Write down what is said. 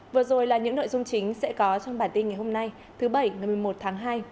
vừa rồi là những nội dung chính sẽ có trong bản tin ngày hôm nay thứ bảy ngày một mươi một tháng hai